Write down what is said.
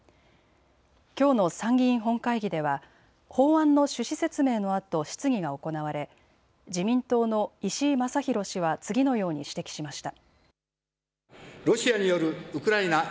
きょうの参議院本会議では法案の趣旨説明のあと質疑が行われ自民党の石井正弘氏は次のように指摘しました。